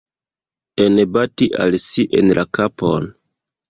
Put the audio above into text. Enbati al si en la kapon.